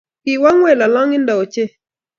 Kiwo ngweny lolongindo ochei